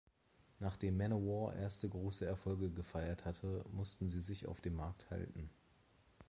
Nachdem Manowar erste große Erfolge gefeiert hatte, mussten sie sich auf dem Markt halten.